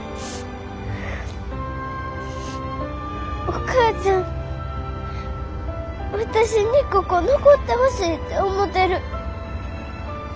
お母ちゃん私にここ残ってほしいて思てる。